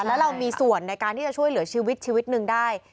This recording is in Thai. แล้วเรามีส่วนในการที่จะช่วยเหลือชีวิตชีวิตหนึ่งได้